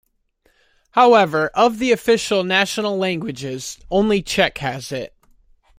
However, of the official national languages, only Czech has it.